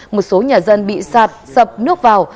một số nhà dân bị sạt sập nước vào